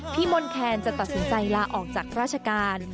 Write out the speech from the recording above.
มนแคนจะตัดสินใจลาออกจากราชการ